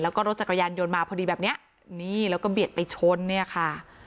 แล้วก็รถจักรยานยนต์มาพอดีแบบเนี้ยนี่แล้วก็เบียดไปชนเนี่ยค่ะ